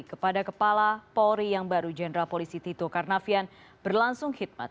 kepada kepala polri yang baru jenderal polisi tito karnavian berlangsung khidmat